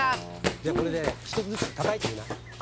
じゃこれで１つずつたたいてみな。